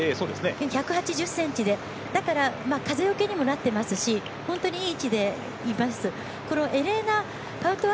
１８０ｃｍでだから、風よけにもなっていますし本当にいい位置にいます。